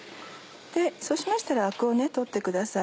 そうしましたらアクを取ってください。